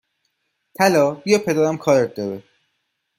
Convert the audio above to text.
طلا بیا پدرم کارت داره